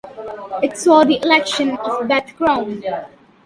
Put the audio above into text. It saw the election of Beth Krom.